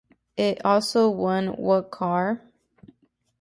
It also won What Car?